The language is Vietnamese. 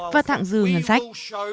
và thạng dư ngân sách